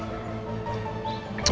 ini lo yang mancing rik